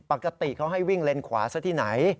ปกติเขาให้วิ่งเลนขวาซะที่ไหน